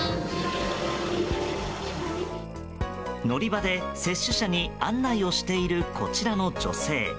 乗り場で接種者に案内をしている、こちらの女性。